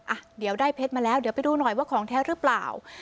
อ่ะเดี๋ยวได้เพชรมาแล้วเดี๋ยวไปดูหน่อยว่าของแท้หรือเปล่า